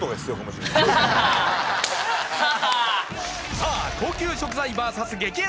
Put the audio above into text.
さぁ高級食材ｖｓ激安